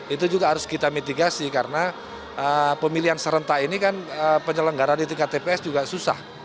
itu juga harus kita mitigasi karena pemilihan serentak ini kan penyelenggara di tingkat tps juga susah